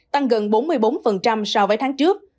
tăng gần bốn mươi bốn so với tháng trước